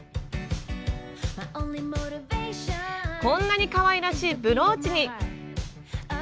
こんなにかわいらしいブローチに！